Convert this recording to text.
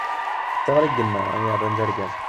D tiɣri n yemma, i yi-erran d argaz.